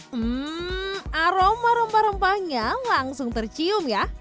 hmm aroma rempah rempahnya langsung tercium ya